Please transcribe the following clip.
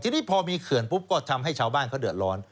ทีนี้พอมีเขื่อนปุ๊บก็ทำให้ชาวบ้านเขาเดือดร้อน